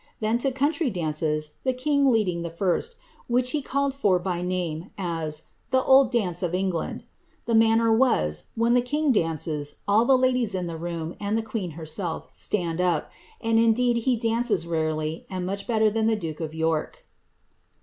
Then to country dances, g leading the first, which he called for by name, as ^ the old dance land.' The manner was, when the king dances, all the ladies in m, and the queen herself, stand up ; and indeed he dances rarely, ch better than the duke of York."